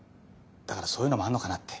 だからそういうのもあんのかなって。